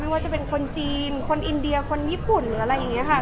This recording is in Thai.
ว่าจะเป็นคนจีนคนอินเดียคนญี่ปุ่นหรืออะไรอย่างนี้ค่ะ